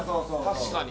確かに。